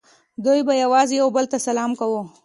دوی به یوازې یو بل ته سلام کاوه